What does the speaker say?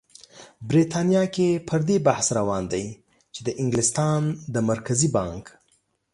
بریتانیا کې پر دې بحث روان دی چې د انګلستان د مرکزي بانک